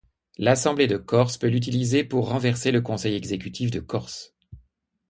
L'Assemblée de Corse peut l'utiliser pour renverser le Conseil exécutif de Corse.